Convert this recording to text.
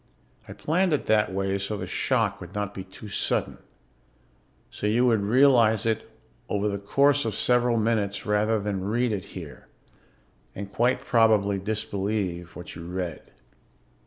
I planned it that way so the shock would not be too sudden, so you would realize it over the course of several minutes rather than read it here and quite probably disbelieve what you read.